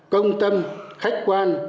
công tâm khách quan